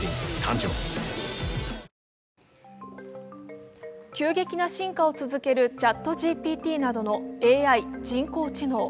例えば急激な進化を続けるＣｈａｔＧＰＴなどのＡＩ＝人工知能。